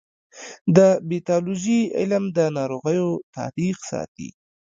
د پیتالوژي علم د ناروغیو تاریخ ساتي.